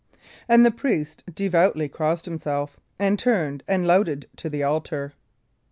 And the priest devoutly crossed himself, and turned and louted to the altar.